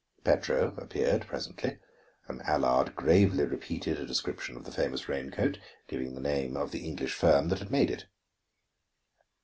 Petro appeared presently, and Allard gravely repeated a description of the famous rain coat, giving the name of the English firm that had made it.